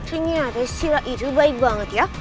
ternyata sila itu baik banget ya